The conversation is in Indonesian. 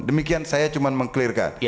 demikian saya cuma meng clear kan